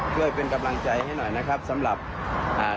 ช่วยเป็นกำลังใจให้หน่อยนะครับสำหรับอ่า